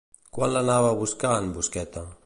Quan l'anava a buscar en Busqueta?